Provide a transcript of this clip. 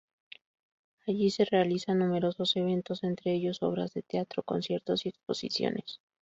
Allí se realizan numerosos eventos entre ellos obras de teatro, conciertos y exposiciones.